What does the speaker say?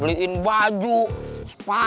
an git berikutnya